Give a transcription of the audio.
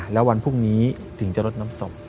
แล้ววันพรุ่งนี้ถึงจะรดน้ำศพ